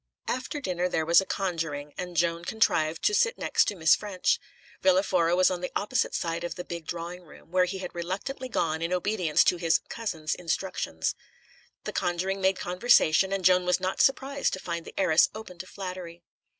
After dinner there was conjuring, and Joan contrived to sit next to Miss Ffrench. Villa Fora was on the opposite side of the big drawing room, where he had reluctantly gone in obedience to his "cousin's" instructions. The conjuring made conversation, and Joan was not surprised to find the heiress open to flattery.